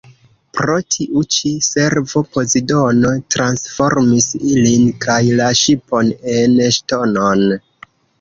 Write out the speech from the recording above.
Pro tiu ĉi servo Pozidono transformis ilin kaj la ŝipon en ŝtonon.